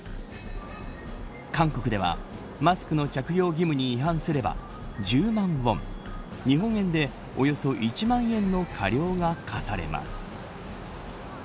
韓国ではマスクの着用義務に違反すれば１０万ウォン日本円でおよそ１万円の過料が科されます。